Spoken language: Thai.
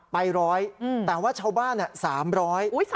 ไปร้อยอย่างนึงแต่ว่าชาวบ้านอ่ะสามร้อย